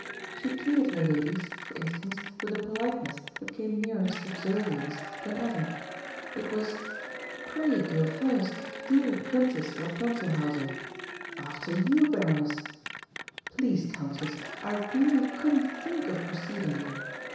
She treated her ladies, for instance, with a politeness that came nearer subservience than ever. It was: "Pray go first, dear Princess Rapunzelhauser! After you, Baroness!... Please, Countess, I really couldn't think of preceding you!"